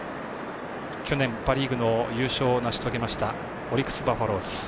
去年、パ・リーグの優勝を成し遂げましたオリックス・バファローズ